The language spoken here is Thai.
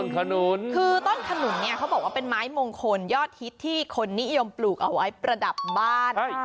ขนุนคือต้นขนุนเนี่ยเขาบอกว่าเป็นไม้มงคลยอดฮิตที่คนนิยมปลูกเอาไว้ประดับบ้าน